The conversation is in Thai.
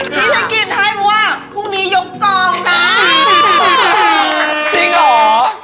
ภี้ทะเกลียดง่ายว่าพรุ่งนี้ยกกองนะจริงเหรอ